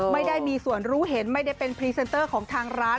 ไม่ได้มีส่วนรู้เห็นไม่ได้เป็นพรีเซนเตอร์ของทางร้าน